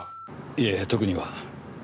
いえ特には。